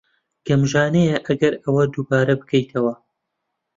گەمژانەیە ئەگەر ئەوە دووبارە بکەیتەوە.